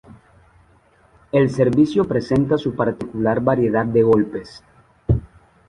El servicio presenta su particular variedad de golpes.